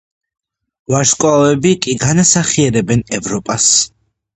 ვარსკვლავები კი განასახიერებენ ევროპას.